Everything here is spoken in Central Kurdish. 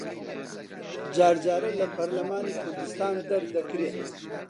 جار جارە لە پەرلەمانی کوردستان دەردەکرێت